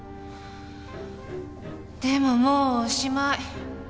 でももうおしまい。